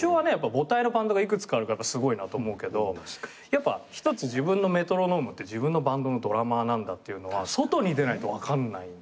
母体のバンドが幾つかあるからすごいなと思うけどやっぱ一つ自分のメトロノームって自分のバンドのドラマーなんだっていうのは外に出ないと分かんないんで。